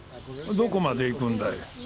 どこまで行くんだい？